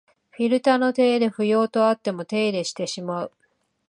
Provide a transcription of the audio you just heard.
フィルターの手入れ不要とあっても手入れしてしまう